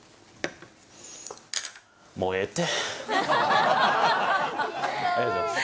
もうええて。